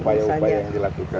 upaya upaya yang dilakukan